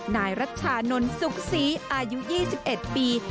นายรัชชานนท์สุขศรีอายุ๒๑ปี